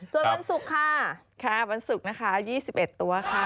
ส่วนวันศุกร์ค่ะค่ะวันศุกร์นะคะ๒๑ตัวค่ะ